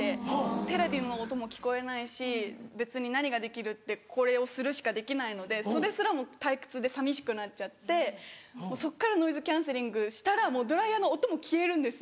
テレビの音も聴こえないし別に何ができるってこれをするしかできないのでそれすらも退屈で寂しくなっちゃってそっからノイズキャンセリングしたらもうドライヤーの音も消えるんですよ。